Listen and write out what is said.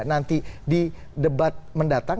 nanti di debat mendatang